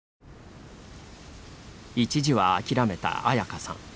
一時は諦めた彩香さん。